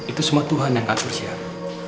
itu semua tuhan yang akan bersiap